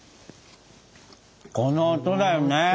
この音だよね。